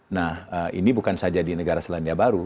nah ini bukan saja di negara selandia baru